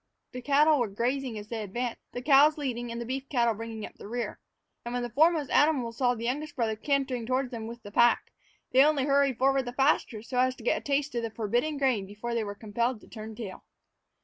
The cattle were grazing as they advanced, the cows leading and the beef cattle bringing up the rear. And when the foremost animals saw the youngest brother cantering toward them with the pack, they only hurried forward the faster so as to get a taste of the forbidden grain before they were compelled to turn tail.